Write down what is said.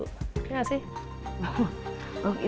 bukin enggak sih